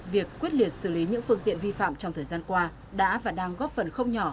việc quyết liệt xử lý những phương tiện vi phạm trong thời gian qua đã và đang góp phần không nhỏ